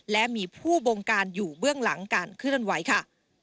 และมีผู้บงการอยู่เบื้องหลังการเคลื่อนไหวค่ะ